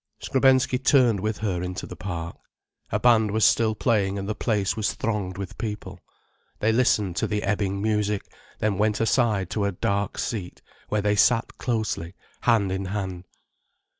Skrebensky turned with her into the park. A band was still playing and the place was thronged with people. They listened to the ebbing music, then went aside to a dark seat, where they sat closely, hand in hand.